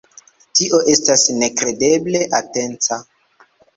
Tio estas nekredeble atenca.